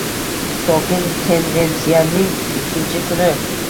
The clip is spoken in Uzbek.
Sokin tendentsiyaning ikkinchi kuni: